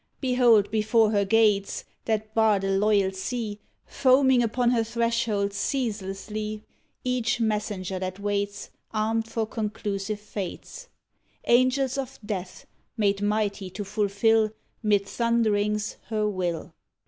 Behold before her gates 103 'T'HE FLEEt That bar the loyal sea, Foaming upon her threshholds ceaselessly, Each messenger that waits Armed for conclusive fates — Angels of death made mighty to fulfil 'Mid thunderings her will!